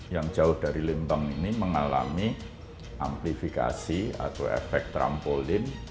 yang jauh dari lembang ini mengalami amplifikasi atau efek trampolin